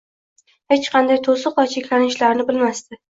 hech qanday to'siq va cheklanishlami bilmasdi.